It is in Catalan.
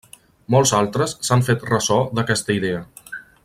Molts altres s'han fet ressò d'aquesta idea.